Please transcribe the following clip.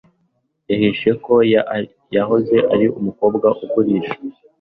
yahishe ko yahoze ari umukobwa ugurisha